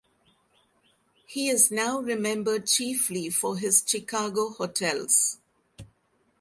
He is now remembered chiefly for his Chicago hotels.